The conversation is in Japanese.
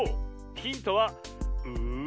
⁉ヒントはうう。